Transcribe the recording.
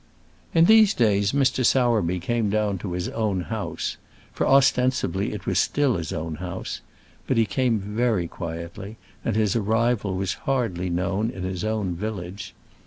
In these days, Mr. Sowerby came down to his own house for ostensibly it was still his own house but he came very quietly, and his arrival was hardly known in his own village.